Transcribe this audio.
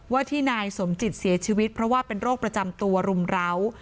ที่นายสมจิตเสียชีวิตเพราะว่าเป็นโรคประจำตัวรุมร้าว